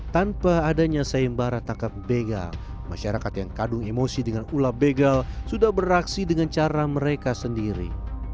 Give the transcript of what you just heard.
tanpa adanya sayembara tangkap begal masyarakat yang kadung emosi dengan ulap begal sudah beraksi dengan cara mereka sendiri